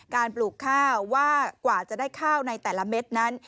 ปลูกข้าวว่ากว่าจะได้ข้าวในแต่ละเม็ดนั้น